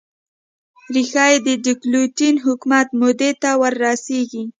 ریښه یې د ډیوکلتین حکومت مودې ته ور رسېږي